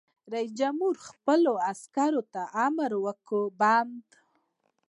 رئیس جمهور خپلو عسکرو ته امر وکړ؛ بند!